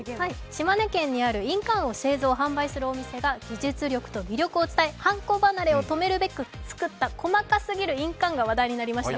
島根県にある、印鑑を製造・販売するお店が技術力と魅力を伝え判こ離れを止めるべく作った細かすぎる印鑑が話題になりました。